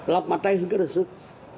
lọc bàn tay hướng cơ đường sức